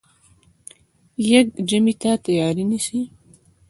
يږ ژمي ته تیاری نیسي.